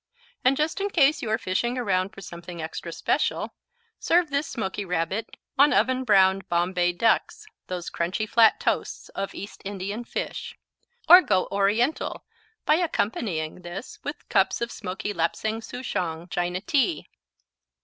And just in case you are fishing around for something extra special, serve this smoky Rabbit on oven browned Bombay ducks, those crunchy flat toasts of East Indian fish. Or go Oriental by accompanying this with cups of smoky Lapsang Soochong China tea.